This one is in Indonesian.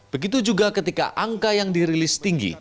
begitu juga ketika angka yang dirilis tinggi